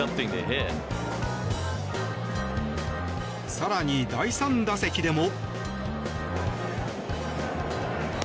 更に第３打席でも。